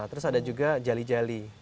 terus ada juga jali jali